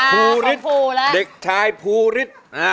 ภูริษเด็กชายภูริษ